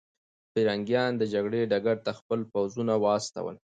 پرنګیان د جګړې ډګر ته خپل پوځونه واستول.